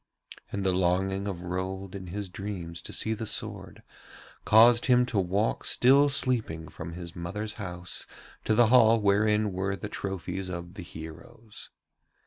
And the longing of Rold in his dreams to see the sword caused him to walk still sleeping from his mother's house to the hall wherein were the trophies of the heroes.